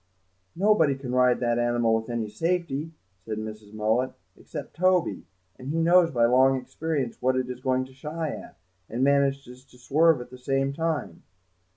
"Nobody can ride that animal with any safety," said Mrs. Mullet, "except Toby, and he knows by long experience what it is going to shy at, and manages to swerve at the same time."